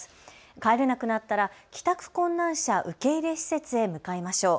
帰れなくなったら帰宅困難者受入施設へ向かいましょう。